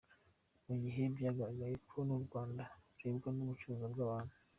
Mu gihe byagaragaye ko n’u Rwanda rurebwa n’icuruzwa ry’abantu, .